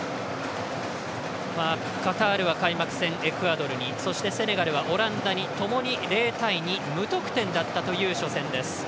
カタールは開幕戦、エクアドルにそして、セネガルはオランダにともに０対２無得点だったという初戦です。